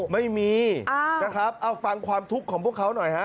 ไม่มีนะครับเอาฟังความทุกข์ของพวกเขาหน่อยฮะ